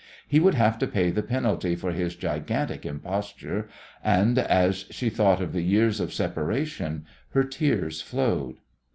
He would have to pay the penalty for his gigantic imposture, and as she thought of the years of separation her tears flowed.